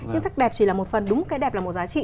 nhưng thật đẹp chỉ là một phần đúng cái đẹp là một giá trị